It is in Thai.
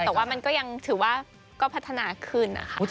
แต่ว่ามันก็ยังถือว่าก็พัฒนาขึ้นนะคะ